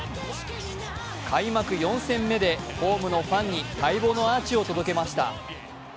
開幕４戦目でホームのファンに待望のアーチを届けました。